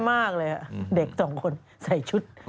เห้มากเลยอะเด็ก๒คนใส่ชุดสุดหมี